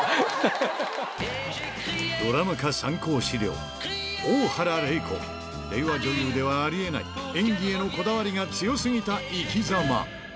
ドラマ化参考資料、大原麗子、令和女優ではありえない、演技へのこだわりが強すぎた生きざま。